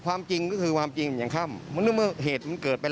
แต่อันนี้อย่างเงี้ยเขาก็โทษคันนี้ด้วย